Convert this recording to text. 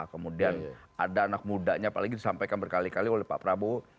kemudian ada anak mudanya apalagi disampaikan berkali kali oleh pak prabowo